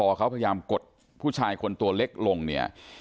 พอเขาพยายามกดผู้ชายคนตัวเล็กลงเนี่ย